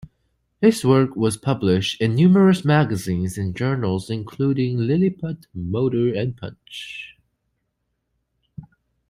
His work was published in numerous magazines and journals, including Lilliput, Motor and Punch.